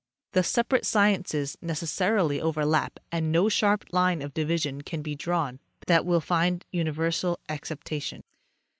The separate sciences necessarily overlap, and no sharp line of division can be drawn that will find universal acceptation.